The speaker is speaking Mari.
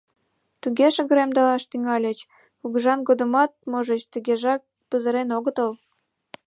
Туге шыгыремдылаш тӱҥальыч, кугыжан годымат, можыч, тыгежак пызырен огытыл.